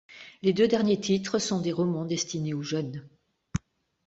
Les deux derniers titres sont des romans destinés aux jeunes.